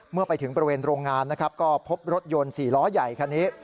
เมื่อไปถึงบริเวณโรงงานนะครับก็พบรถยนต์๔ล้อใหญ่คันนี้